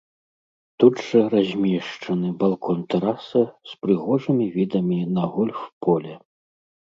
Тут жа размешчаны балкон-тэраса з прыгожымі відамі на гольф-поле.